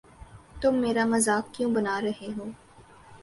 تم میرا مزاق کیوں بنا رہے ہو؟